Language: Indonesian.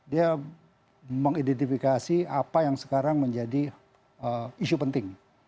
dia mengidentifikasi apa yang sekarang menjadi isu penting